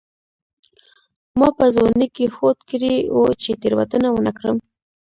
ما په ځوانۍ کې هوډ کړی و چې تېروتنه ونه کړم.